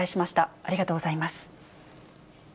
ありがとうございます。